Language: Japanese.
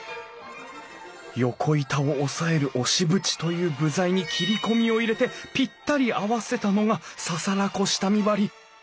横板を押さえる押縁という部材に切り込みを入れてぴったり合わせたのが簓子下見張り。